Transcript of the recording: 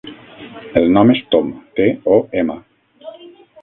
El nom és Tom: te, o, ema.